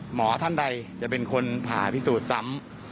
หมอท่านใดจะเป็นคนผ่าพิสูจน์ซ้ำ